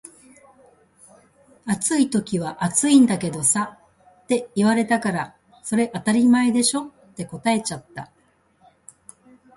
「暑い時は暑いんだけどさ」って言われたから「それ当たり前でしょ」って答えちゃった